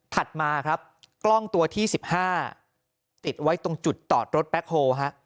มาครับกล้องตัวที่๑๕ติดไว้ตรงจุดจอดรถแบ็คโฮล